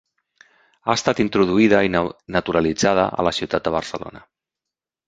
Ha estat introduïda i naturalitzada a la ciutat de Barcelona.